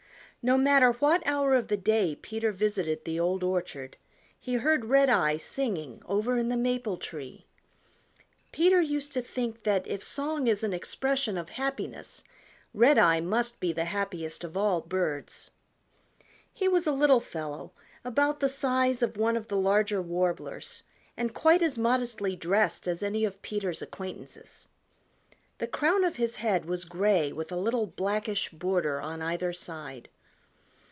No matter what hour of the day Peter visited the Old Orchard he heard Redeye singing over in the maple tree. Peter used to think that if song is an expression of happiness, Redeye must be the happiest of all birds. He was a little fellow about the size of one of the larger Warblers and quite as modestly dressed as any of Peter's acquaintances. The crown of his head was gray with a little blackish border on either side.